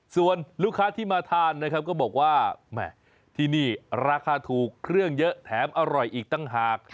ส่วนลูกค้าที่มาทานนะครับก็บอกว่าแหม่ที่นี่ราคาถูกเครื่องเยอะแถมอร่อยอีกต่างหาก